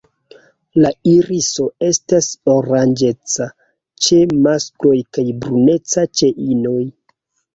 La iriso estas oranĝeca ĉe maskloj kaj bruneca ĉe inoj.